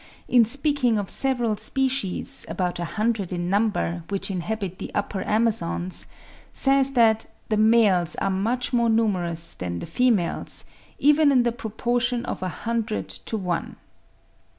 in speaking of several species, about a hundred in number, which inhabit the upper Amazons, says that the males are much more numerous than the females, even in the proportion of a hundred to one.